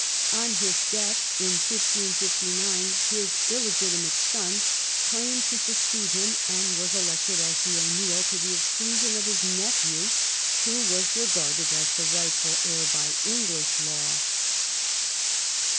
On his death, in 1559, his illegiti mate son claimed to succeed him, and was elected as the O'Neill, to the exclusion of his nephew, who was regarded as the rightful heir by English law.